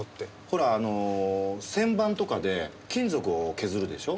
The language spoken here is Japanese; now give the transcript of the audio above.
ほらあの旋盤とかで金属を削るでしょ？